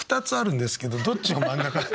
２つあるんですけどどっちが真ん中。